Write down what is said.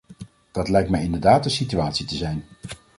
Dat lijkt mij inderdaad de situatie te zijn.